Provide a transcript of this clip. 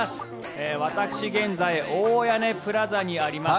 私、現在大屋根プラザにあります